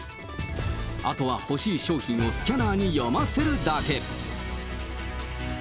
あとは欲しい商品をスキャナーに読ませるだけ。